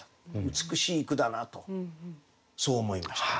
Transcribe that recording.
美しい句だなとそう思いましたね。